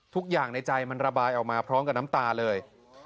ในใจมันระบายออกมาพร้อมกับน้ำตาเลย